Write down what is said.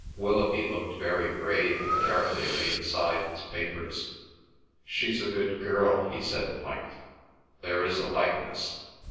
Willoughby looked very grave and carefully laid aside his papers. "She's a good girl," he said at length. "There is a likeness?"